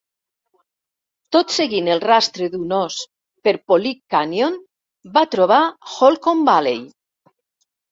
Tot seguint el rastre d'un ós per Polique Canyon, va trobar Holcomb Valley.